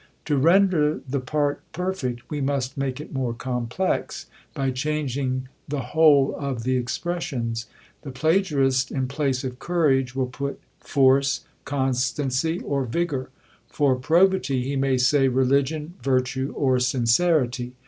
To render the part perfect we must make it more complex, by changing the whole of the expressions. The plagiarist in place of courage, will put force, constancy, or vigour. For probity he may say religion, virtue, or sincerity.